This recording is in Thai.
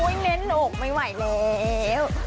โอ้ยแน่นอกไม่ไหวแล้ว